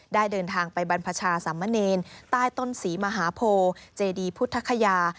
เดินทางไปบรรพชาสามเณรใต้ต้นศรีมหาโพเจดีพุทธคยา